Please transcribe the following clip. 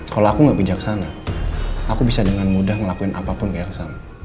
kalau aku nggak bijaksana aku bisa dengan mudah ngelakuin apapun ke ersam